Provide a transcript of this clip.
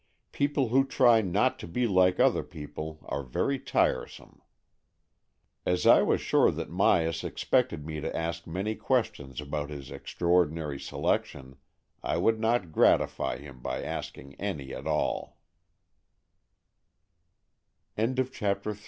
People who try not to be like other people are very tiresome. As I v/as sure that Myas expected me to ask many questions about his extraordinary selection, I would not gratify him by asking any at al